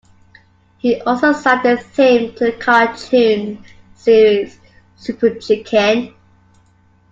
He also sang the theme to the cartoon series Super Chicken.